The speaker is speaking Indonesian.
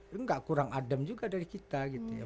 tidak kurang adem juga dari kita gitu ya